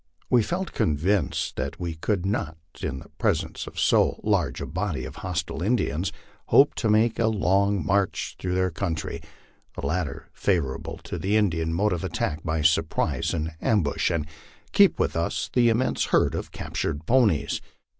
We felt convinced that we could not, in the presence of so large a body of hostile Indians, hope to make a long march through their country, the latter favorable to the Indian mode of attack by surprise and ambush, and keep with us the immense herd of captured ponies.